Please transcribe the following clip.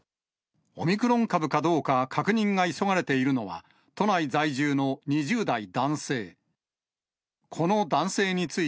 オミクロン株かどうか、確認が急がれているのは、都内在住の２０代男性。